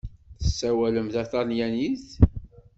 Tessawalem taṭalyanit?